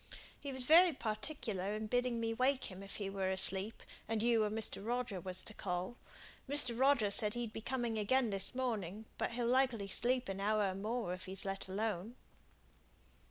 "He was very particular in bidding me wake him if he were asleep, and you or Mr. Roger was to call. Mr. Roger said he'd be coming again this morning but he'll likely sleep an hour or more, if he's let alone."